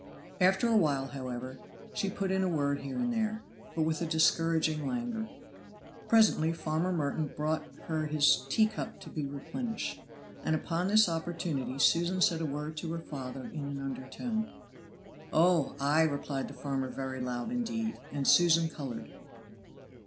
After a while, however, she put in a word here and there, but with a discouraging languor. Presently Farmer Merton brought her his tea cup to be replenished, and upon this opportunity Susan said a word to her father in an undertone. "Oh, ay!" replied the farmer very loud indeed; and Susan colored.